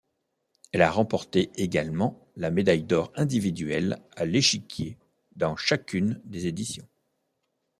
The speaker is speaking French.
Elle a remporté également la médaille d'or individuelle à l'échiquier dans chacune des éditions.